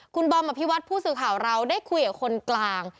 คุณบอมอภิวัตผู้สื่อข่าวเราได้คุยกับคนกลาง